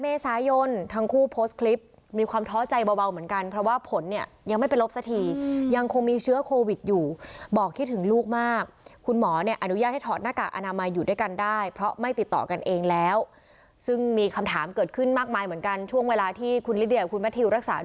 เมษายนทั้งคู่โพสต์คลิปมีความท้อใจเบาเหมือนกันเพราะว่าผลเนี่ยยังไม่ไปลบสักทียังคงมีเชื้อโควิดอยู่บอกคิดถึงลูกมากคุณหมอเนี่ยอนุญาตให้ถอดหน้ากากอนามัยอยู่ด้วยกันได้เพราะไม่ติดต่อกันเองแล้วซึ่งมีคำถามเกิดขึ้นมากมายเหมือนกันช่วงเวลาที่คุณลิเดียกับคุณแมททิวรักษา